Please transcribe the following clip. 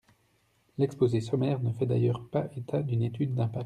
L’exposé sommaire ne fait d’ailleurs pas état d’une étude d’impact.